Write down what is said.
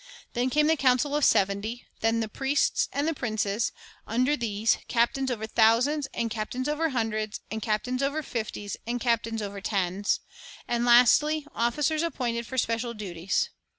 Then came the council of seventy, then the priests and the princes, under these " captains over thousands, and captains over hundreds, and captains over fifties, and captains over tens," 2 and, lastly, officers appointed for special duties.